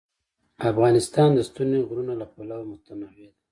افغانستان د ستوني غرونه له پلوه متنوع دی.